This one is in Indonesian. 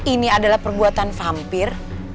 ini adalah perbuatan vampir